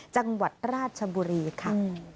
จังหวัดราชบุรีค่ะ